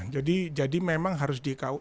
ya jadi memang harus di eku